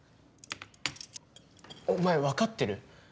お前分かってる？